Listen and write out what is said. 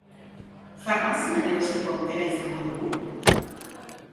Farmazian erosteko aukera izango dugu?